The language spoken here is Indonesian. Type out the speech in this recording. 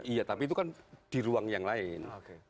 iya tapi itu kan di ruang yang lain